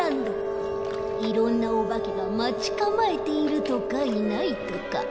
いろんなおばけがまちかまえているとかいないとか。